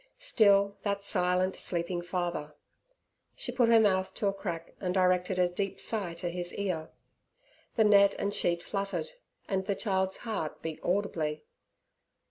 Still that silent sleeping father. She put her mouth to a crack and directed a deep sigh to his ear. The net and sheet fluttered, and the child's heart beat audibly.